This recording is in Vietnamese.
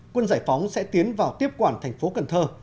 quân giải phóng sẽ tiến vào tiếp quản thành phố cần thơ